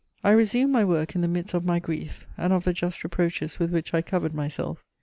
I resumed my work in the midst of my grief and of the just reproaches with which I covered myself.